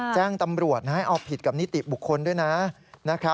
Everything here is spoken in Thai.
แจ้งตำรวจให้เอาผิดกับนิติบุคคลด้วยนะ